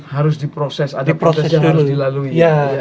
harus diproses ada proses yang harus dilalui